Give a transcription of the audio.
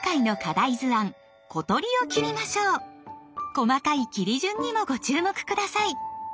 細かい切り順にもご注目下さい！